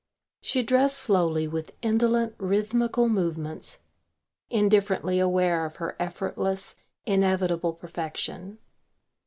She dressed slowly with indolent rhythmical movements, indifferently aware of her effortless inevitable perfection.